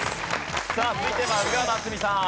さあ続いては宇賀なつみさん。